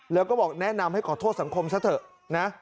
แล้วก็บอกแนะนำให้ขอโทษสังคมซะเถอะนะ